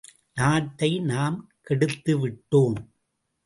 நாட்டை நாம் கெடுத்துவிட்டோம்!